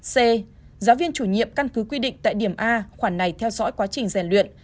c giáo viên chủ nhiệm căn cứ quy định tại điểm a khoản này theo dõi quá trình rèn luyện